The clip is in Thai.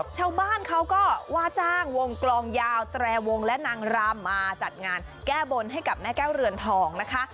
ชาวบ้านเขาก็ว่าจ้างวงกลองยาวแตรวงและนางรำมาจัดงานแก้บนให้กับแม่แก้วเรือนทองนะคะ